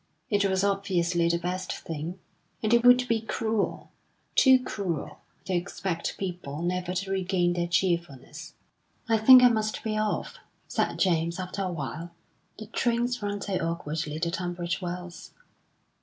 It was obviously the best thing, and it would be cruel too cruel to expect people never to regain their cheerfulness. "I think I must be off," said James, after a while; "the trains run so awkwardly to Tunbridge Wells."